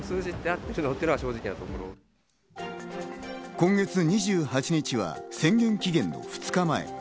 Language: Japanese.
今月２８日は宣言期限の２日前。